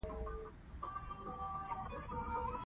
ادبیات د هنرونو یوه برخه ده